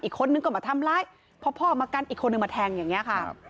อีกคนนึงก็มาทำร้ายพอพ่อมากันอีกคนนึงมาแทงอย่างนี้ค่ะ